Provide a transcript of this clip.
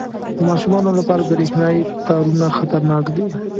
• د ماشومانو لپاره برېښنايي تارونه خطرناک دي.